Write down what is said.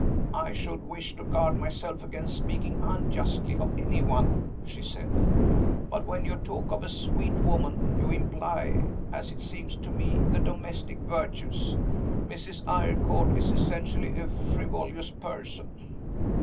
"I should wish to guard myself against speaking unjustly of any one," she said; "but when you talk of 'a sweet woman,' you imply (as it seems to me) the domestic virtues. Mrs. Eyrecourt is essentially a frivolous person."